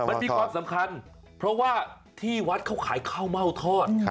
มันมีความสำคัญเพราะว่าที่วัดเขาขายข้าวเม่าทอด